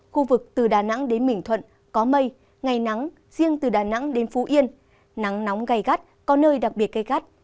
khu vực từ đà nẵng đến bình thuận có mây ngày nắng riêng từ đà nẵng đến phú yên nắng nóng gai gắt có nơi đặc biệt gây gắt